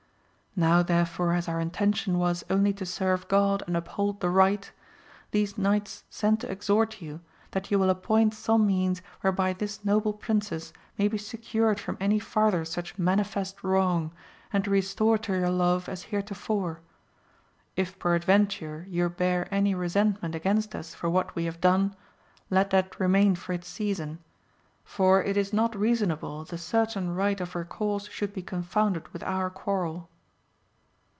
Now therefore as our intention was only to serve God and uphold the right, these Knights send to exhort you, that you will appoint some means whereby this noble princess may be secured from any farther such manifest wrong, and restored to your love as heretofore. If peradventure you bear any resentment against us for what we have done, let that remain for its season. For it is not reasonable the certain right of her cause should be confounded with our quarrel.